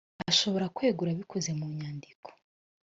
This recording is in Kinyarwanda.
ashobora kwegura abikoze mu nyandiko